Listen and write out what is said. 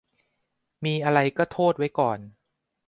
มีอะไรก็โทษไว้ก่อน